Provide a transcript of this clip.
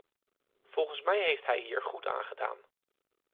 Volgens mij heeft hij hier goed aan gedaan.